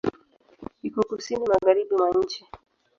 Iko Kusini magharibi mwa nchi.